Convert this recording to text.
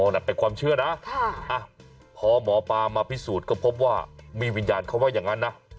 นั่นเป็นความเชื่อนะพอหมอปลามาพิสูจน์ก็พบว่ามีวิญญาณเขาว่าอย่างนั้นนะ